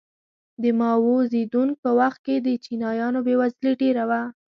د ماوو زیدونګ په وخت کې د چینایانو بېوزلي ډېره وه.